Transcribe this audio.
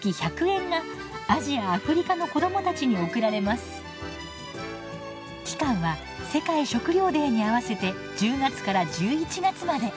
すると期間は世界食料デーに合わせて１０月から１１月まで。